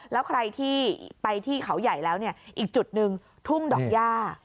แล้วใครที่ไปที่เขาใหญ่แล้วเนี่ยอีกจุดหนึ่งทุ่งดอกย่า